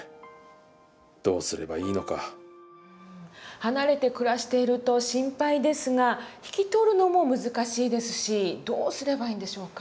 離れて暮らしていると心配ですが引き取るのも難しいですしどうすればいいんでしょうか。